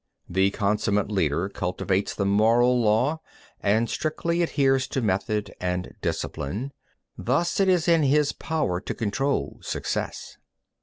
16. The consummate leader cultivates the moral law, and strictly adheres to method and discipline; thus it is in his power to control success.